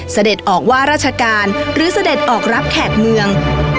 เสด็จออกว่าราชการหรือเสด็จออกรับแขกเมือง